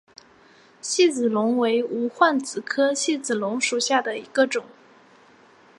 细子龙为无患子科细子龙属下的一个种。